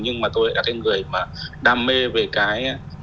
nhưng mà tôi là một người đam mê về cái